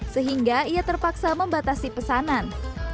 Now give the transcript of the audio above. sehingga ia terpaksa membatasi pesanan